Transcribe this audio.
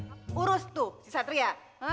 eh agung urus tuh si satria